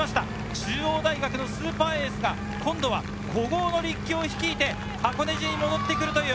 中央大学のスーパーエースが今度は古豪の立教を率いて箱根路に戻ってくる。